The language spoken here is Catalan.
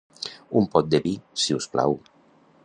Un pot de vi, si us plau.